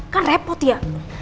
kan repot ya